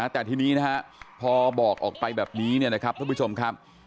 แต่ทีนี้นะฮะพอบอกออกไปแบบนี้นะครับท่านผู้ชมครับ